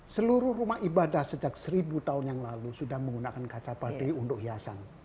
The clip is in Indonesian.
seluruh rumah ibadah sejak seribu tahun yang lalu sudah menggunakan kaca padi untuk hiasan